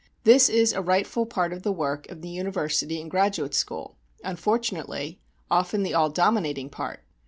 This is a rightful part of the work in the university and graduate school, unfortunately often the all dominating part.